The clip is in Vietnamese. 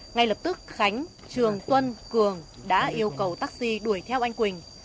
ngay lập tức khánh trường tuân cường đã yêu cầu taxi đuổi theo anh quỳnh